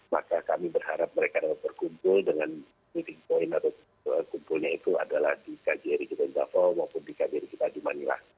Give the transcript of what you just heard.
maka kami berharap mereka dapat berkumpul dengan meeting point atau kumpulnya itu adalah di kjri kita indahfo maupun di kjri kita di manila